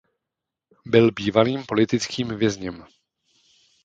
Byl bývalým politickým vězněm.